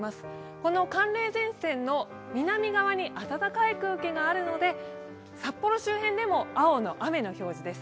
この寒冷前線の南側に暖かい空気があるので札幌周辺でも、青の雨の表示です。